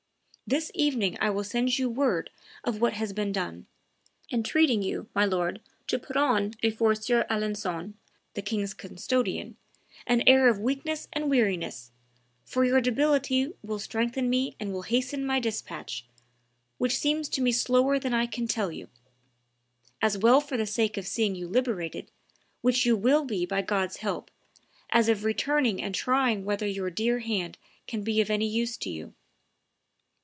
This evening I will send you word of what has been done; entreating you, my lord, to put on before Sieur Alancon (the king's custodian) an air of weakness and weariness, for your debility will strengthen me and will hasten my despatch, which seems to me slower than I can tell you; as well for the sake of seeing you liberated, which you will be by God's help, as of returning and trying whether your dear hand can be of any use to you."